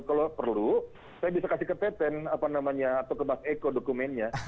kalau perlu saya bisa kasih ke teten apa namanya atau ke mas eko dokumennya